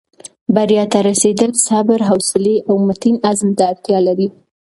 بریا ته رسېدل صبر، حوصلې او متین عزم ته اړتیا لري.